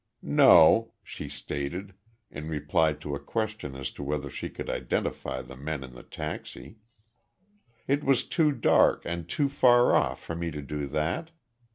"No," she stated, in reply to a question as to whether she could identify the men in the taxi, "it was too dark and too far off for me to do that.